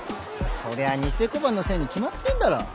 そりゃ贋小判のせいに決まってんだろ。